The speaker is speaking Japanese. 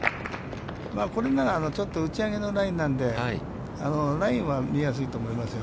これなら、ちょっと打ち上げのラインなのでラインは見やすいと思いますよ。